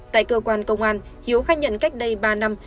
tại cơ quan công an hiếu khai nhận cách đây ba năm